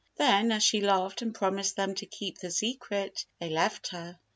Then, as she laughed and promised them to keep the secret, they left her.